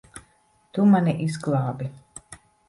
Tu mani izglābi.